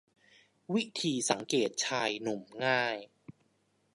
วิธีสังเกตชายหนุ่มง่าย